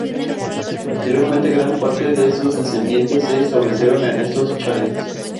Posteriormente gran parte de sus descendientes se establecieron en estos chalets.